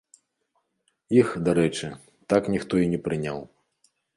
Іх, дарэчы, так ніхто і не прыняў.